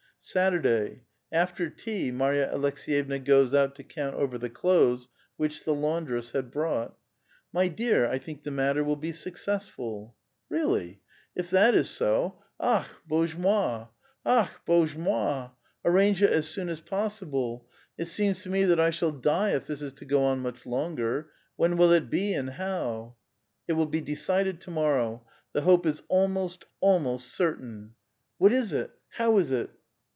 Saturday. — After tea, Marya Aleks^yevna goes out to count over the clothes which the laundress had brought. " My dear, I think the matter will be successful." " Really? If that is so, Akh^ bozhe mot! Akh^ bozhe moi! arrange it as soon as possible ! It seems to me that I shall die if this is to go on much longer. When will it be, and how ?" "It will be decided to morrow. The hope is almost, almost certain." "What is it? How is it?"